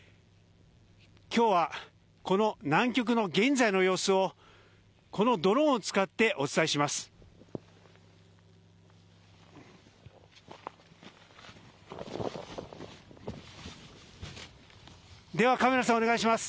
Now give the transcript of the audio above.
今日はこの南極の現在の様子をこのドローンを使ってお伝えします。